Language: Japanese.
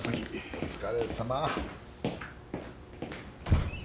お疲れさま。